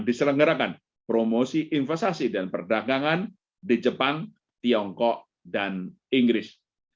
diselenggarakan promosi investasi dan perdagangan di jepang tiongkok dan inggris